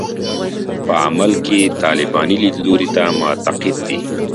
په عمل کې طالباني لیدلوري ته معتقد دي.